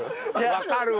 わかるわ！